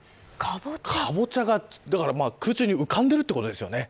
かぼちゃが空中に浮かんでいるということですよね。